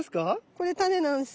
これタネなんす。